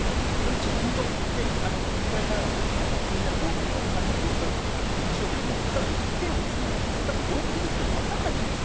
ちょっと、これから、みんなの、３人の動機を聞いていくんでしょうけど、ただ、一点は、たぶん動機出てきても分かんないと思います。